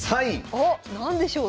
おっ何でしょう？